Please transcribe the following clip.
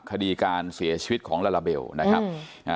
คดีการเสียชีวิตของลาลาเบลนะครับอ่า